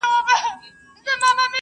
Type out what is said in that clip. موږ بايد نړيوال معيارونه مراعات کړو.